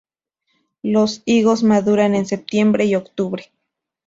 Los higos maduran en septiembre y octubre.